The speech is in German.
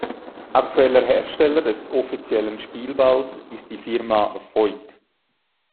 Aktueller Hersteller des offiziellen Spielballs ist die Firma Voit.